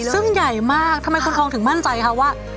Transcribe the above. ซึ่งใหญ่มากทำไมคนทองถึงมั่นใจคะว่า